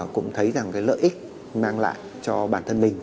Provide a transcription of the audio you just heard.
cũng thấy rằng cái lợi ích mang lại cho bản thân mình